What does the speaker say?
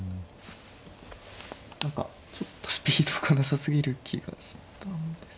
何かちょっとスピードがなさすぎる気がしたんです。